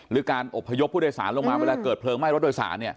การอบพยพผู้โดยสารลงมาเวลาเกิดเพลิงไหม้รถโดยสาร